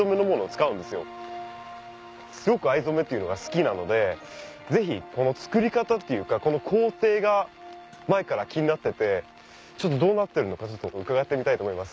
すごく藍染めというのが好きなのでぜひ作り方っていうか工程が前から気になっててちょっとどうなってるのか伺ってみたいと思います。